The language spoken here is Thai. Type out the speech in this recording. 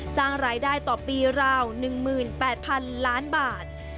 สร้างรายได้ต่อปีราว๑๘๐๐๐ล้านบาท